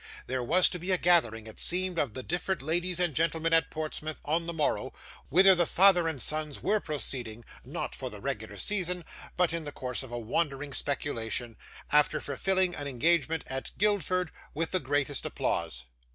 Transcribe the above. There was to be a gathering, it seemed, of the different ladies and gentlemen at Portsmouth on the morrow, whither the father and sons were proceeding (not for the regular season, but in the course of a wandering speculation), after fulfilling an engagement at Guildford with the greatest applause.